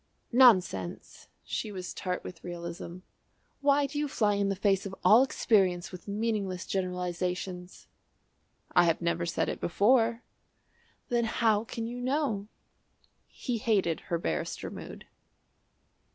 "Nonsense." She was tart with realism. "Why do you fly in the face of all experience with meaningless generalisations?" "I have never said it before." "Then how can you know?" He hated her barrister mood.